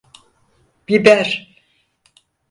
Biber.